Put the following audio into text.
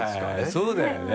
そうだよね。